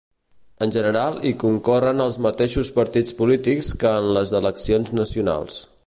En general, hi concorren els mateixos partits polítics que en les eleccions nacionals.